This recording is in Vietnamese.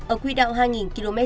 ở quy đạo hai km